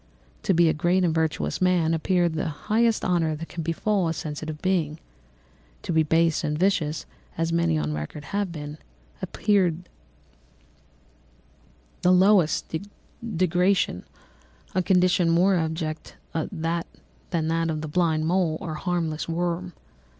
To be a great and virtuous man appeared the highest honour that can befall a sensitive being; to be base and vicious, as many on record have been, appeared the lowest degradation, a condition more abject than that of the blind mole or harmless worm.